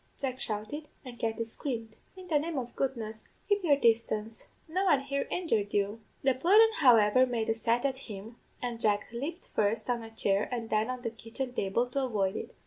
Jack shouted, and Katty screamed. 'In the name of goodness, keep your distance; no one here injured you!' "The pudden, however, made a set at him, and Jack lepped first on a chair and then on the kitchen table to avoid it.